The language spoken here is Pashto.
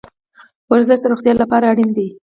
ورزش د روغتیا لپاره اړین ده